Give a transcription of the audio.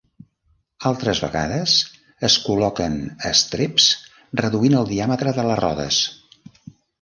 Altres vegades, es col·loquen estreps reduint el diàmetre de les rodes.